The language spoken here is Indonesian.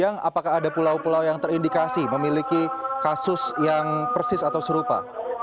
apakah ada pulau pulau yang terindikasi memiliki kasus yang persis atau serupa